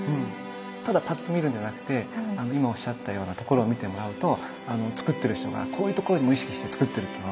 ただパッと見るんじゃなくて今おっしゃったようなところを見てもらうとつくってる人がこういうところにも意識してつくってるっていうのが分かるわけです。